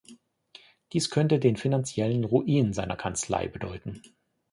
Dies könnte den finanziellen Ruin seiner Kanzlei bedeuten.